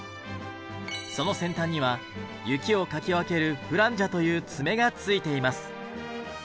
その先端には雪をかき分けるフランジャという爪がついています。